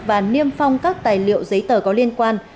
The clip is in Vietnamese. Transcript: và niêm phong các tài liệu giấy tờ có liên quan